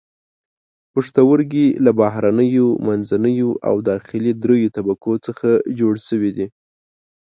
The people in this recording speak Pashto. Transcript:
پښتورګي له بهرنیو، منځنیو او داخلي دریو طبقو څخه جوړ شوي دي.